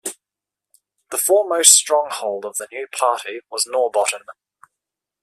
The foremost stronghold of the new party was Norrbotten.